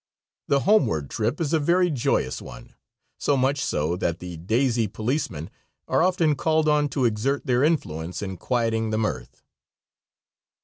The homeward trip is a very joyous one, so much so that "the daisy policemen" are often called on to exert their influence in quieting the mirth.